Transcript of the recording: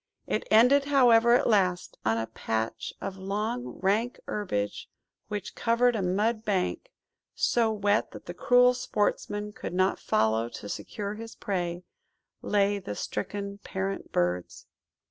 It ended, however, at last! On a patch of long rank herbage which covered a mud bank, so wet that the cruel sportsman could not follow to secure his prey, lay the stricken parent birds.